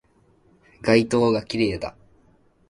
街灯が綺麗だ